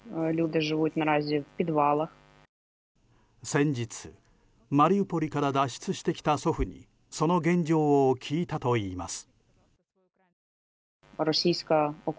先日マリウポリから脱出してきた祖父にその現状を聞いたといいます。